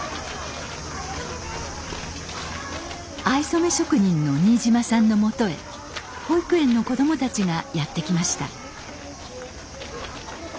藍染め職人の新島さんのもとへ保育園の子どもたちがやって来ました。